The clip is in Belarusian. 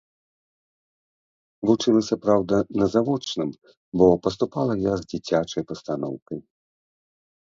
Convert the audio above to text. Вучылася, праўда, на завочным, бо паступала я з дзіцячай пастаноўкай.